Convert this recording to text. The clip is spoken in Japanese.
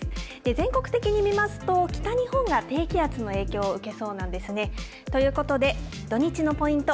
全国的に見ますと北日本が低気圧の影響を受けそうなんですね。ということで土日のポイント